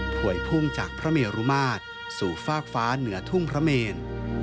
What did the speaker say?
วยพุ่งจากพระเมรุมาตรสู่ฟากฟ้าเหนือทุ่งพระเมน